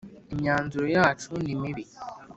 Imyanzuro yacu nimibi.